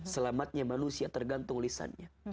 selamatnya manusia tergantung lisannya